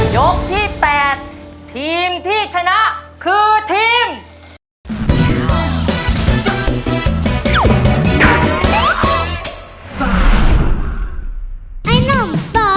ยกที่๘ทีมที่ชนะคือทีม